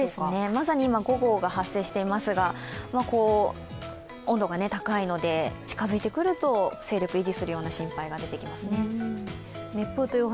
まさに今、５号が発生していますから、温度が高いので近づいてくると勢力を維持するような心配が出てきますね。